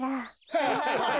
ハハハハハ！